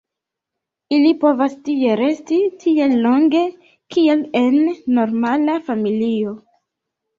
Ili povas tie resti tiel longe kiel en normala familio.